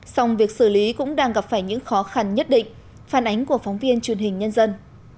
song việc xử lý cũng đang gặp phải những khó khăn nhất định phản ánh của phóng viên truyền hình nhân dân